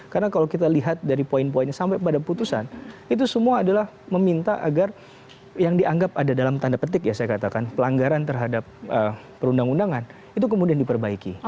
karena kalau kita lihat dari poin poinnya sampai pada putusan itu semua adalah meminta agar yang dianggap ada dalam tanda petik ya saya katakan pelanggaran terhadap perundang undangan itu kemudian diperbaiki